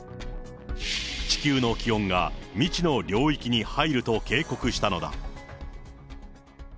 地球の気温が未知の領域に入ると警告したのだ。